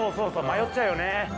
迷っちゃうよね。